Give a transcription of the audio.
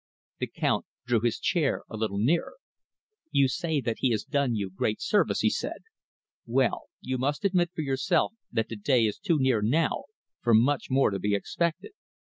The Count drew his chair a little nearer. "You say that he has done you great service," he said. "Well, you must admit for yourself that the day is too near now for much more to be expected.